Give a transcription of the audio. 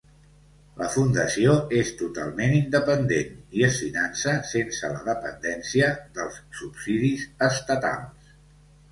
La Fundació és totalment independent i es finança sense la dependència dels subsidis estatals.